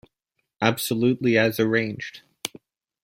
Absolutely as arranged.